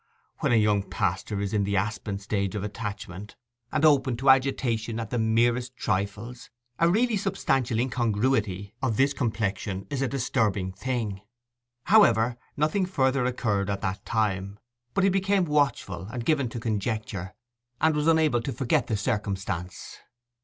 When a young pastor is in the aspen stage of attachment, and open to agitation at the merest trifles, a really substantial incongruity of this complexion is a disturbing thing. However, nothing further occurred at that time; but he became watchful, and given to conjecture, and was unable to forget the circumstance.